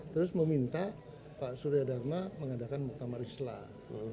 terus meminta pak surya dharma mengadakan muktamar islah